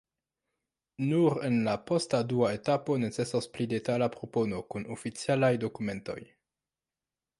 Nur en la posta dua etapo necesos pli detala propono kun oficialaj dokumentoj.